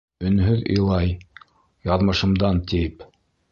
Өнһөҙ илай Яҙмышымдан, тиеп